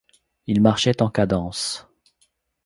Il marchait en cadence.